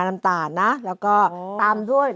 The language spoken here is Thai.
น้ำตาลนะแล้วก็ตำด้วย